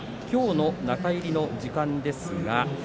きょうの中入りの時間です。